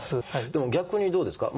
でも逆にどうですか？